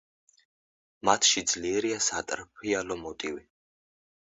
მათში ძლიერია სატრფიალო მოტივი.